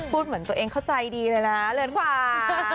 เหมือนตัวเองเข้าใจดีเลยนะเรือนขวา